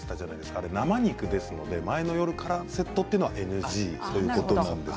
あれは生肉ですので前の夜からセットというのはＮＧということです。